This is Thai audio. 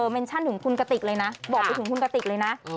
เมนชั่นถึงคุณกติกเลยนะบอกไปถึงคุณกติกเลยนะ